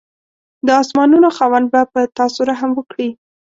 د اسمانانو خاوند به په تاسو رحم وکړي.